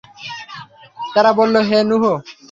তারা বলল, হে নূহ!